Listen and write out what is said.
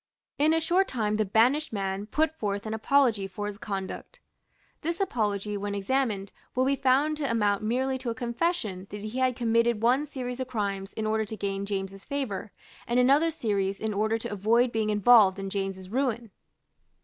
In a short time the banished man put forth an apology for his conduct. This apology, when examined, will be found to amount merely to a confession that he had committed one series of crimes in order to gain James's favour, and another series in order to avoid being involved in James's ruin.